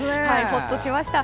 ほっとしました。